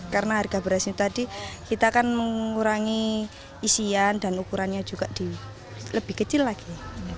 karena harga berasnya tadi kita kan mengurangi isian dan ukurannya juga lebih kecil lagi